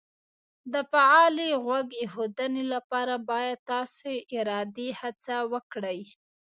د فعالې غوږ ایښودنې لپاره باید تاسې ارادي هڅه وکړئ